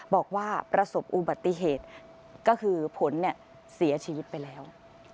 บอกว่าประสบอุบัติเหตุก็คือผลเสียชีวิตไปแล้ว